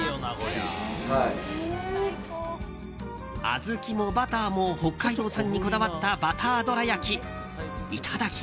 小豆もバターも北海道産にこだわったバターどら焼き。